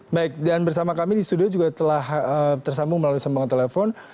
baik dan bersama kami di studio juga telah tersambung melalui sambungan telepon